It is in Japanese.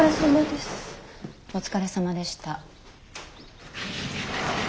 お疲れさまでした。